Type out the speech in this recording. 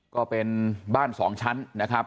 ก็เป็นบ้าน๒ชั้นนะครับ